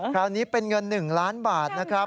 คราวนี้เป็นเงิน๑ล้านบาทนะครับ